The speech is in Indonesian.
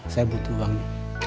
saya butuh uangnya